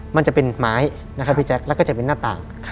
มันจะเป็นไม้แล้วก็จะเป็นหน้าต่าง